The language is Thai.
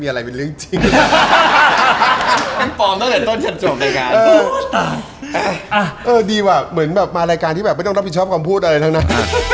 มีใดอย่างที่มารายการที่ไม่ต้องรับผิดชอบคำพูดอะไรทั้งนั้น